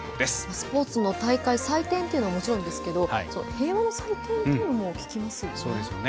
スポーツの大会祭典というのはもちろんですが平和の祭典というのも聞きますよね。